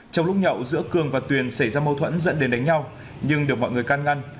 trong lúc nhậu giữa cường và tuyền xảy ra mâu thuẫn dẫn đến đánh nhau nhưng được mọi người can ngăn